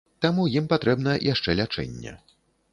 Таму ім патрэбна яшчэ лячэнне.